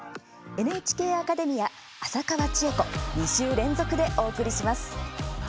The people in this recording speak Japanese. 「ＮＨＫアカデミア浅川智恵子」２週連続でお送りします。